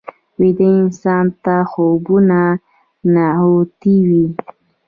ویده انسان ته خوبونه نغوتې وي